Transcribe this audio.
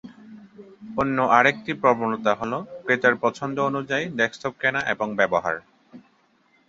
অন্য আরেকটি প্রবণতা হল, ক্রেতার পছন্দ অনুযায়ী ডেস্কটপ কেনা এবং ব্যবহার।